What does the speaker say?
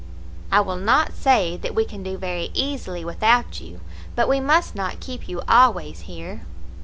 I will not say that we can do very easily without you, but we must not keep you always here.'